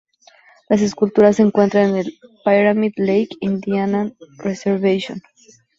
Las esculturas se encuentran en el Pyramid Lake Indian Reservation.